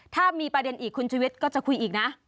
ถ้ามีประเด็นอีกคุณชุวิตก็จะคุยอีกนะ